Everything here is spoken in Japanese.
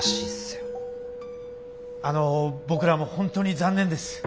あの僕らも本当に残念です。